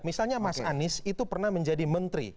misalnya mas anies itu pernah menjadi menteri